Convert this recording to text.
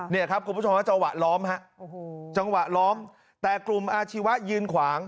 เนี่ยครับคุณผู้ชมฮะจังหวะล้อมฮะโอ้โหจังหวะล้อมแต่กลุ่มอาชีวะยืนขวาง